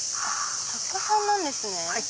作家さんなんですね。